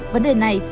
vấn đề này